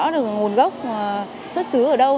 có được nguồn gốc xuất xứ ở đâu